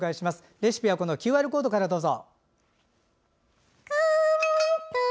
レシピはＱＲコードからどうぞ。